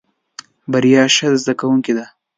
بريا ښه زده کوونکی دی.